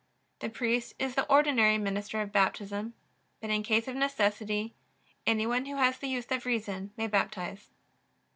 The priest is the ordinary minister of Baptism; but in case of necessity any one who has the use of reason may baptize.